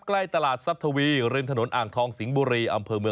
ใกล้ตลาดซั๊บทวีริมถนนอ่างทองสิงบุรี